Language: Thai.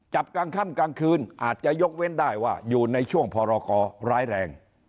กลางค่ำกลางคืนอาจจะยกเว้นได้ว่าอยู่ในช่วงพรกรร้ายแรง